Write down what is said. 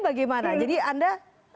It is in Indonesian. bagaimana jadi anda